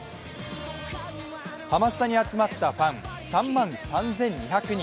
ハマスタに集まったファン３万３２００人。